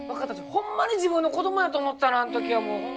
ホンマに自分の子供やと思ったのあん時はもう。